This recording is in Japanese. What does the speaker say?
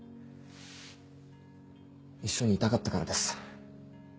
一緒にいたかったからです。